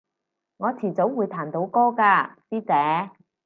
我遲早會彈到歌㗎師姐